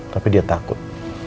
tapi dia takut